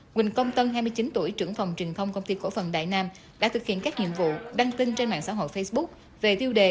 huỳnh công tân hai mươi chín tuổi trưởng phòng truyền thông công ty cổ phần đại nam đã thực hiện các nhiệm vụ đăng tin trên mạng xã hội facebook về tiêu đề